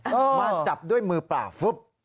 มาจับด้วยมือเปล่าฟุบ